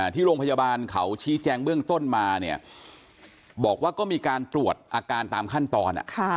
ที่โรงพยาบาลเขาชี้แจงเบื้องต้นมาเนี่ยบอกว่าก็มีการตรวจอาการตามขั้นตอน